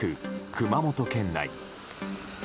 熊本県内。